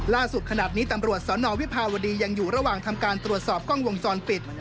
ล่าสุดขนาดนี้ตำรวจสนวิภาวดียังอยู่ระหว่างทำการตรวจสอบกล้องวงจรปิด